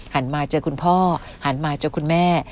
หันมาเจอคุณพ่อหันมาเจอคุณแม่